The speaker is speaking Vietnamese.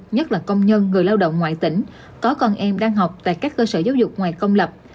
nhất là công nhân người lao động ngoại tỉnh có con em đang học tại các cơ sở giáo dục ngoài công lập